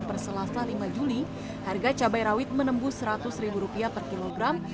perselasa lima juli harga cabai rawit menembus seratus ribu rupiah per kilogram